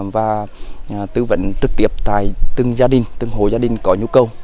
và tư vấn trực tiếp tại từng gia đình từng hồ gia đình có nhu cầu